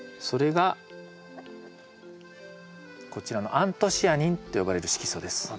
それがこちらのアントシアニンと呼ばれる色素です。